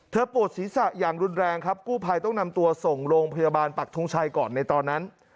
ปวดศีรษะอย่างรุนแรงครับกู้ภัยต้องนำตัวส่งโรงพยาบาลปักทงชัยก่อนในตอนนั้น